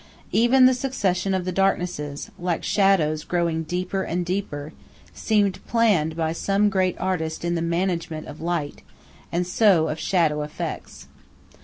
Even the succession of the darknesses, like shadows growing deeper and deeper, seemed planned by some great artist in the management of light, and so of shadow effects.